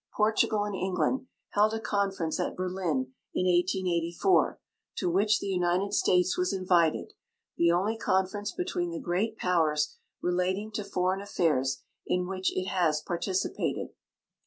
Portugal, and England held a conference at Berlin in 1884, to which the United States was invited, the only conference between the great powers, relating to foreign affairs, in which it has participated..